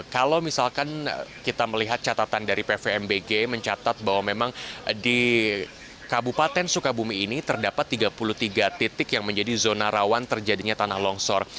kalau misalkan kita melihat catatan dari pvmbg mencatat bahwa memang di kabupaten sukabumi ini terdapat tiga puluh tiga titik yang menjadi zona rawan terjadinya tanah longsor